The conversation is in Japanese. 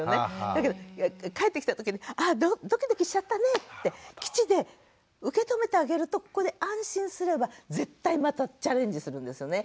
だけど帰ってきた時に「あドキドキしちゃったね」って基地で受け止めてあげるとここで安心すれば絶対またチャレンジするんですよね。